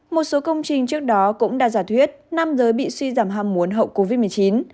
một số công trình trước đó cũng đã giả thuyết nam giới bị suy giảm ham muốn hậu covid một mươi chín